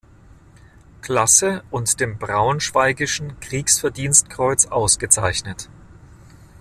Klasse und dem Braunschweigischen Kriegsverdienstkreuz ausgezeichnet.